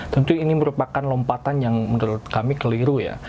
tentu ini merupakan lompatan yang menurut kami keliru ya